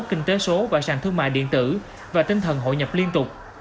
kinh tế số và sàn thương mại điện tử và tinh thần hội nhập liên tục